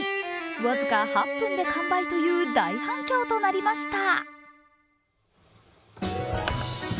僅か８分で完売という大反響となりました。